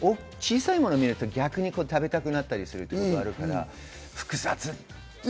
小さいものを見ると逆に食べたくなったりするということがあるから複雑。